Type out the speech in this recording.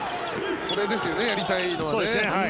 これですよねやりたいのは。